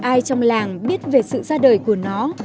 ai trong làng biết về sự ra đời của nó